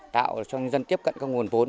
tạo cho nhân dân tiếp cận các nguồn vốn